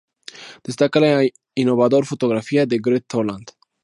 Destaca la innovador fotografía de Gregg Toland.